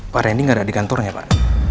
pak rendy nggak ada di kantor ya pak